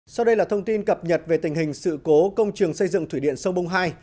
sau đây là thông tin cập nhật về tình hình sự cố công trường xây dựng thủy điện sông bung hai